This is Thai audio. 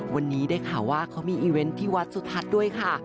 วันนี้ได้ข่าวว่าเขามีอีเวนต์ที่วัดสุทัศน์ด้วยค่ะ